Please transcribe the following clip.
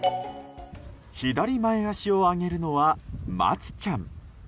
左前脚を上げるのはまつちゃん。